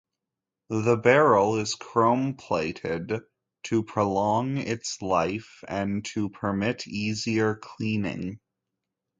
The barrel is chrome plated to prolong its life and to permit easier cleaning.